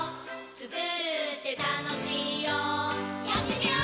つくるってたのしいよやってみよー！